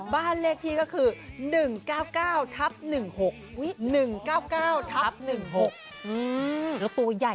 บ้านเลขที่ก็คือหนึ่งเก้าเก้าทับหนึ่งหกอุ้ยหนึ่งเก้าเก้าทับหนึ่งหกอืมแล้วตัวอีกใหญ่จริง